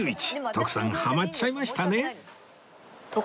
徳さんハマっちゃいましたね